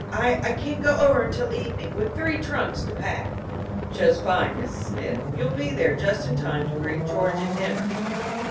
"I I can't go over until evening, with three trunks to pack." "Just fine, Mrs. Smith. You'll be there just in time to greet George at dinner."